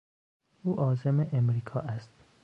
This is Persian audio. او عازم امریکا است.